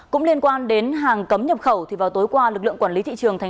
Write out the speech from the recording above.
cũng liên quan đến hàng cấm nhập khẩu thì vào tối qua lực lượng quản lý thị trường tp hcm